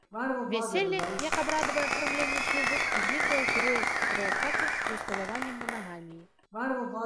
Вяселле як абрадавае афармленне шлюбу ўзнікла ў перыяд патрыярхату з усталяваннем манагаміі.